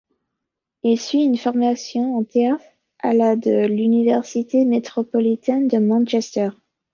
Il suit une formation en théâtre à la de l'université métropolitaine de Manchester.